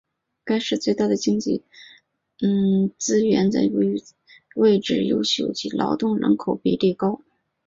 该市最大的经济资源在于位置优越及劳动人口比例高。